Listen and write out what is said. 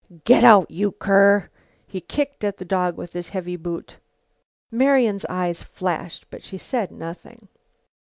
"Get out, you cur!" He kicked at the dog with his heavy boot. Marian's eyes flashed, but she said nothing.